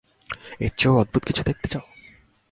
এর চেয়েও অদ্ভুত কিছু দেখতে চাও?